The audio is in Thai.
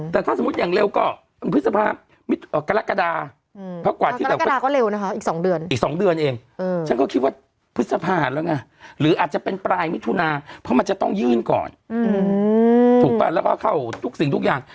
ถึงก่อนถูกปะก็เข้าสิ่งทุกอย่าง